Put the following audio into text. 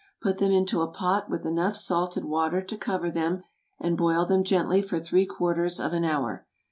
Put them into a pot with enough salted water to cover them, and boil them gently for three quarters of an hour.